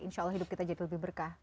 insya allah hidup kita jadi lebih berkah